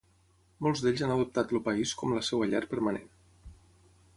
Molts d'ells han adoptat el país com la seva llar permanent.